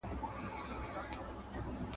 څوک د میندو پر سینو باندي ساه ورکړي !.